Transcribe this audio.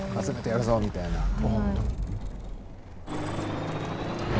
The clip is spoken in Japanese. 「集めてやるぞ」みたいな。